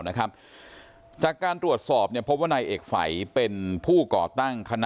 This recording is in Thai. นะครับจากการตรวจสอบนุ่มพบในเอกไฝเป็นผู้ก่อตั้งคณะ